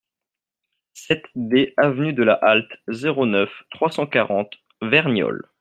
sept D avenue de la Halte, zéro neuf, trois cent quarante, Verniolle